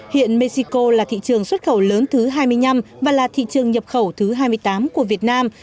hiện mexico là thị trường xuất khẩu lớn thứ hai mươi năm và là thị trường nhập khẩu thứ hai mươi tám của việt nam